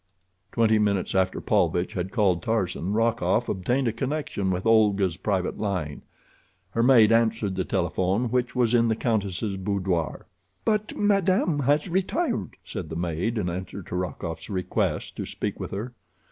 Twenty minutes after Paulvitch had called Tarzan, Rokoff obtained a connection with Olga's private line. Her maid answered the telephone which was in the countess' boudoir. "But madame has retired," said the maid, in answer to Rokoff's request to speak with her.